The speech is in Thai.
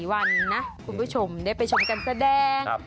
เวลหุ่นผู้ชมได้ไปชมกันแสดง